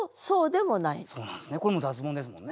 これも脱ボンですもんね。